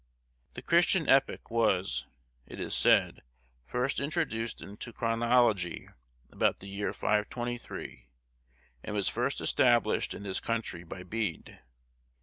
The Christian epoch was, it is said, first introduced into chronology about the year 523, and was first established in this country by Bede.